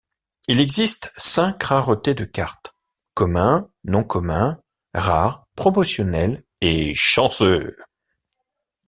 Il existe cinq raretés de cartes: commun, non commun, rare, promotionnel et chanceux.